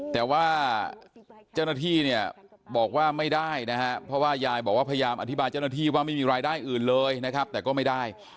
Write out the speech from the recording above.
แต่ว่าเจ้าหน้าที่บอกว่าไม่ได้เพราะยายบอกว่าพยายามอธิบายเจ้าหน้าที่ว่ามีรายได้อื่นเลยแต่ก็ไม่ได้